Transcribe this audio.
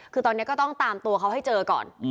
ก็ต้องตามตัวเขาให้เจอก่อน